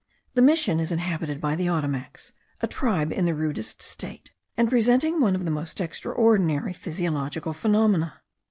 The mission is inhabited by the Ottomacs, a tribe in the rudest state, and presenting one of the most extraordinary physiological phenomena.